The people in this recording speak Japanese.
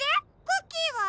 クッキーは？